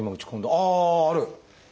ああある。